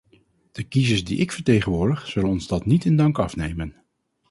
De kiezers die ik vertegenwoordig zullen ons dat niet in dank afnemen.